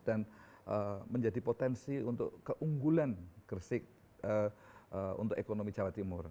dan menjadi potensi untuk keunggulan gresik untuk ekonomi jawa timur